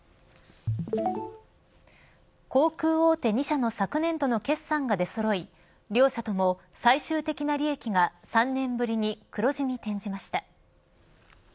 航空大手２社の昨年度の決算が出そろい両社とも最終的な利益が３年ぶりに黒字に転じました。